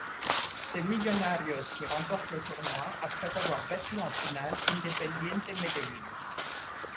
C'est Millonarios qui remporte le tournoi, après avoir battu en finale Independiente Medellín.